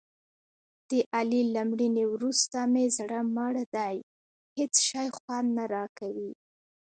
د علي له مړینې ورسته مې زړه مړ دی. هېڅ شی خوند نه راکوي.